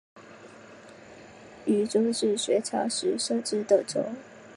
渝州是隋朝时设置的州。